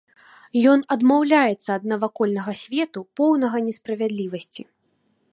Ён адмаўляецца ад навакольнага свету, поўнага несправядлівасці.